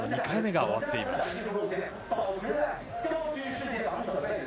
２回目が終わっています。